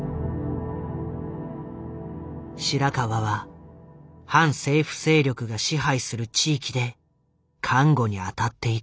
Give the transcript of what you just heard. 白川は反政府勢力が支配する地域で看護に当たっていた。